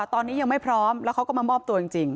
ตอนนี้ยังไม่พร้อมแล้วเขาก็มามอบตัวจริง